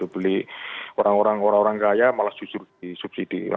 beli orang orang kaya malah disuruh subsidi